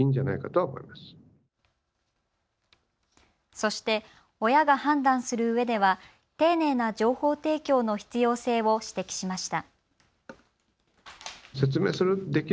そして親が判断するうえでは丁寧な情報提供の必要性を指摘しました。